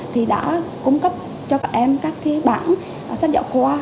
thì đã cung cấp cho các em các cái bản sách giáo khoa